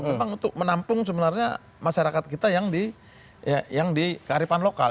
memang untuk menampung sebenarnya masyarakat kita yang di kearifan lokal